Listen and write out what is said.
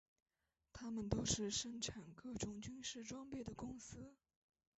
它们都是生产各种军事装备的公司。